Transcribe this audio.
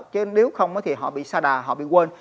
chứ nếu không thì họ bị sa đà họ bị quên